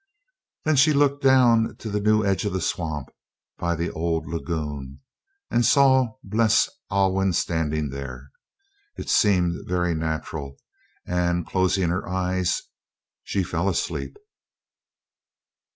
Then she looked down to the new edge of the swamp, by the old lagoon, and saw Bles Alwyn standing there. It seemed very natural; and closing her eyes, she fell asleep.